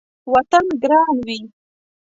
وطن ګران وي